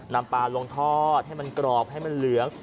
นำปลาลงทอดให้มันกรอบให้มันเหลือง